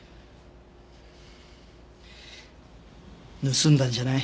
盗んだんじゃない。